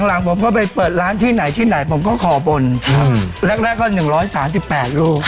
หลังผมก็ไปเปิดร้านที่ไหนที่ไหนผมก็ขอบนแรกก็๑๓๘ลูก